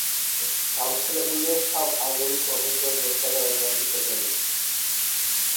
გავრცელებულია შავ, აზოვის, ხმელთაშუა ზღვებსა და ატლანტის ოკეანეში.